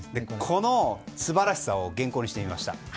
この素晴らしさを原稿にしてみました。